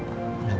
udah gue ngerti